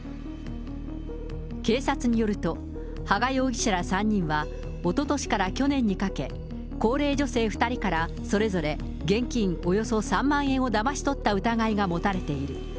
警察によると、羽賀容疑者ら３人はおととしから去年にかけ、高齢女性２人からそれぞれ現金およそ３万円をだまし取った疑いが持たれている。